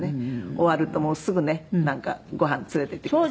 終わるともうすぐねご飯連れて行ってくださって。